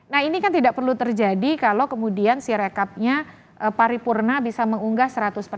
nah ini kan tidak perlu terjadi kalau kemudian si rekapnya paripurna bisa mengunggah seratus persen